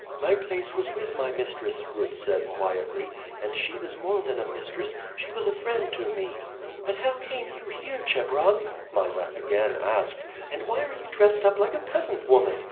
"My place was with my mistress," Ruth said quietly. "And she was more than a mistress she was as a friend to me." "But how came you here, Chebron," Mysa again asked, "and why are you dressed up like a peasant woman?